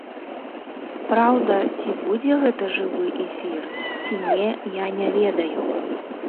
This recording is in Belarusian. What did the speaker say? Праўда, ці будзе гэта жывы эфір, ці не, я не ведаю.